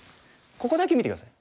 ここだけ見て下さい。